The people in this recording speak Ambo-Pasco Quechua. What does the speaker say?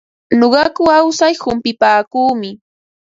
Nuqaku awsar humpipaakuumi.